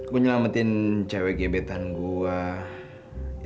gue nyelamatin cewek gebetan gue